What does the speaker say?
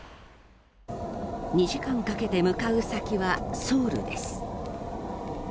２時間かけて向かう先はソウルです。